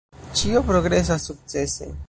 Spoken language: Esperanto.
Ĉio progresas sukcese.